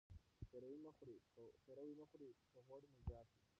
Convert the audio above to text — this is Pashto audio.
پیروي مه خورئ که غوړ مو زیات وي.